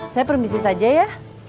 saya permisi saja ya